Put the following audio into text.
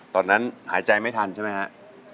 ตอนนั้นหายใจไม่ทันใช่ไหมครับ